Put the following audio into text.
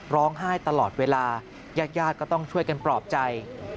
ร้องไห้ตลอดเวลายาดก็ต้องช่วยกันปลอบใจ